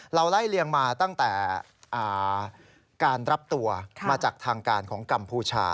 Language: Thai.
ไล่เลียงมาตั้งแต่การรับตัวมาจากทางการของกัมพูชา